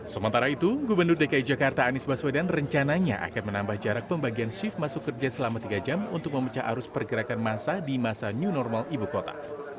sementara itu gubernur dki jakarta anies baswedan rencananya akan menambah jarak pembagian shift masuk kerja selama tiga jam untuk memecah arus pergerakan masa di masa new normal ibu kota